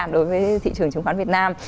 đối với thị trường chứng khoán việt nam